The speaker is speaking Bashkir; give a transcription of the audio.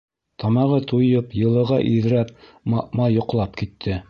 Тамағы туйып, йылыға иҙрәп, маъмай йоҡлап китте.